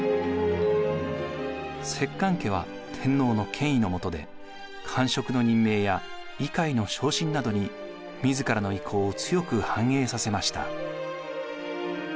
摂関家は天皇の権威の下で官職の任命や位階の昇進などに自らの意向を強く反映させました。